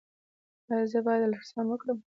ایا زه باید الټراساونډ وکړم؟